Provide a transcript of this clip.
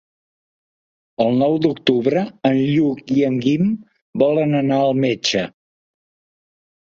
El nou d'octubre en Lluc i en Guim volen anar al metge.